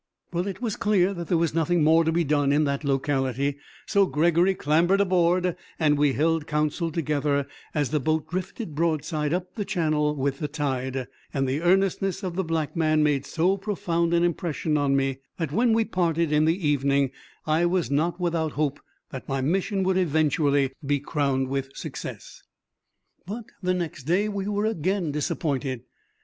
It was clear that there was nothing more to be done in that locality; so Gregory clambered aboard and we held counsel together as the boat drifted broadside up the channel with the tide; and the earnestness of the black man made so profound an impression on me that when we parted in the evening I was not without hope that my mission would eventually be crowned with success. But the next day we were again disappointed.